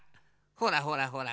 ほらほらほら。